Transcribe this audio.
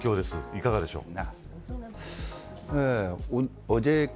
いかがでしょう。